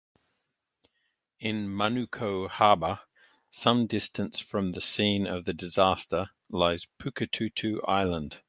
In Manukau Harbour some distance from the scene of the disaster lies Puketutu Island.